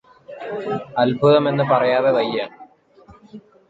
അത്ഭുതമെന്ന് പറയാതെ വയ്യ